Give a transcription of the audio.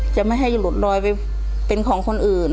จะไม่ให้หลุดลอยไปเป็นของคนอื่น